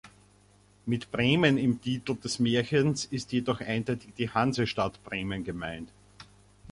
Mit „Bremen“ im Titel des Märchens ist jedoch eindeutig die Hansestadt Bremen gemeint.